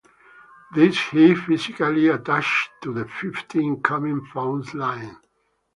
These he physically attached to the fifty incoming phone lines.